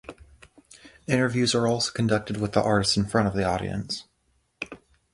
Interviews are also conducted with the artist in front of an audience.